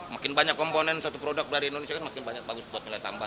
makin banyak komponen satu produk dari indonesia kan makin banyak bagus buat nilai tambah